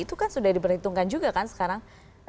itu kan sudah diperhitungkan juga kan sekarang